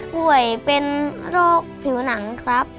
ป่วยเป็นโรคผิวหนังครับ